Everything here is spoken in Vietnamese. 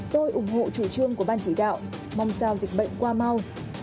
tôi ủng hộ chủ trương của ban chỉ đạo mong sao dịch bệnh qua mau